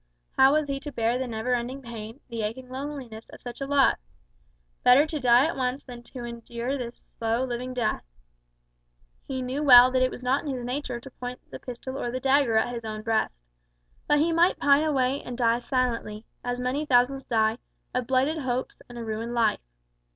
How was he to bear the never ending pain, the aching loneliness, of such a lot? Better to die at once than to endure this slow, living death. He knew well that it was not in his nature to point the pistol or the dagger at his own breast. But he might pine away and die silently as many thousands die of blighted hopes and a ruined life.